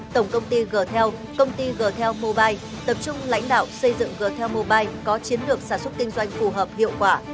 tổng công ty g tel công ty g tel mobile tập trung lãnh đạo xây dựng g tel mobile có chiến lược sản xuất kinh doanh phù hợp hiệu quả